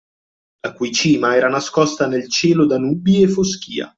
La cui cima era nascosta nel cielo da nubi e foschia.